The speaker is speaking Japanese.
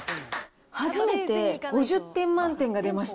初めて５０点満点が出ました。